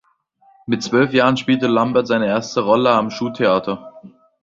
Mit zwölf Jahren spielte Lambert seine erste Rolle am Schultheater.